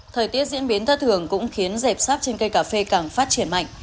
thời tiết diễn biến thất thường cũng khiến dẹp sát trên cây cà phê càng phát triển mạnh